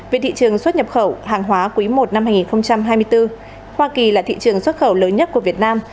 về thị trường xuất nhập khẩu hàng hóa quý i năm hai nghìn hai mươi bốn hoa kỳ là thị trường xuất khẩu lớn nhất của việt nam